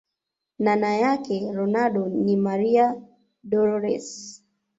nana yake ronaldo ni maria dolores